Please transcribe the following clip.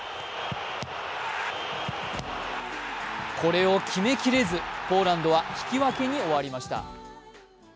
これを決めきれず、ポーランドは引き分けに終わりました。